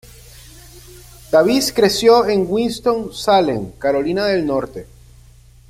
Davis creció en Winston-Salem, Carolina del Norte.